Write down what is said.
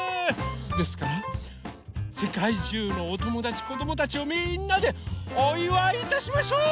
ですからせかいじゅうのおともだちこどもたちをみんなでおいわいいたしましょう！